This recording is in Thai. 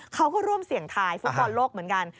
เขาก็ร่วมเสี่ยงทายฟุตบอลโลกเหมือนกัน